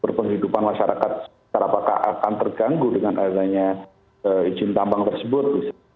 berpenghidupan masyarakat sekitar apakah akan terganggu dengan adanya izin tambang tersebut